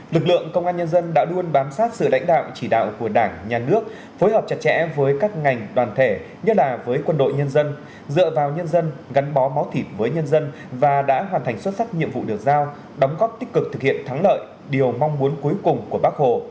lực lượng công an nhân dân đã luôn bám sát sự lãnh đạo chỉ đạo của đảng nhà nước phối hợp chặt chẽ với các ngành đoàn thể như là với quân đội nhân dân dựa vào nhân dân gắn bó máu thịt với nhân dân và đã hoàn thành xuất sắc nhiệm vụ được giao đóng góp tích cực thực hiện thắng lợi điều mong muốn cuối cùng của bác hồ